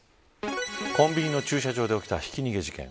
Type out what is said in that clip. コンビニの駐車場で起きたひき逃げ事件。